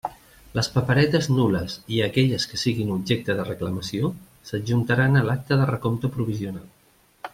Les paperetes nul·les i aquelles que siguin objecte de reclamació s'adjuntaran a l'acta de recompte provisional.